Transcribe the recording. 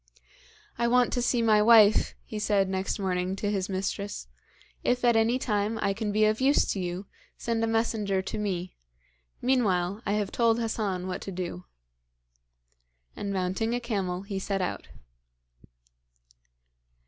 'I want to see my wife,' he said next morning to his mistress. 'If at any time I can be of use to you, send a messenger to me; meanwhile, I have told Hassan what to do.' And mounting a camel he set out.